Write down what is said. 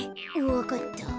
わかった。